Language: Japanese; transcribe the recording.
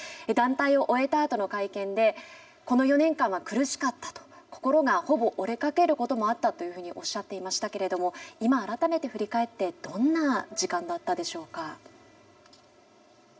団体を終えたあとの会見でこの４年間は苦しかったと心がほぼ折れかけることもあったというふうにおっしゃっていましたけれども今、改めて振り返ってどんな時間だったでしょうか？